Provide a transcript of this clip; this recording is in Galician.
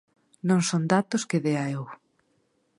Non son datos que dea eu.